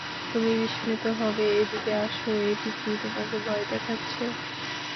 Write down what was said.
তুমি বিস্মিত হবে, এদিকে আসো এটি কি তোমাকে ভয় দেখাচ্ছে?